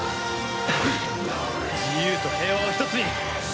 自由と平和を一つに！